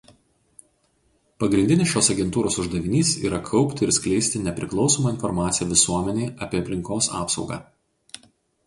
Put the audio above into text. Pagrindinis šios agentūros uždavinys yra kaupti ir skleisti nepriklausomą informaciją visuomenei apie aplinkos apsaugą.